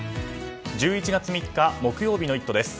１１月３日、木曜日の「イット！」です。